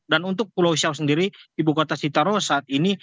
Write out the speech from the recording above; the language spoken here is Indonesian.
dan untuk pulau siau sendiri ibu kota sitaro saat ini